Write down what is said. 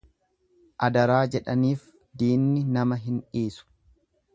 Adaraa jedhaniif diinni nama hin dhiisu.